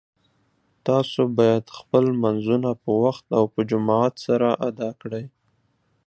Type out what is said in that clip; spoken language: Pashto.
تاسو باید خپل لمونځونه په وخت او په جماعت سره ادا کړئ